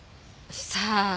さあ。